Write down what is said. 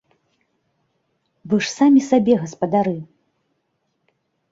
Вы ж самі сабе гаспадары.